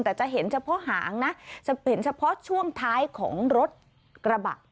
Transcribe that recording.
แต่จะเห็นเฉพาะหางนะจะเห็นเฉพาะช่วงท้ายของรถกระบะ